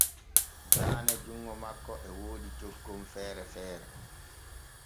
Daane junŋo makko e woodi cokkon feere feere.